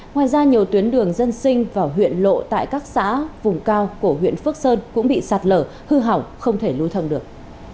ngoài ra nhiều tuyến đường dân sinh và huyện lộ tại các xã vùng cao của huyện phước sơn cũng bị sạt lở hư hỏng không thể lưu thông được